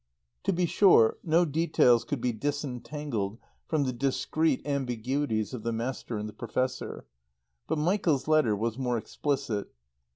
To be sure no details could be disentangled from the discreet ambiguities of the Master and the Professor. But Michael's letter was more explicit.